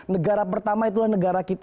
negara pertama itulah negara kita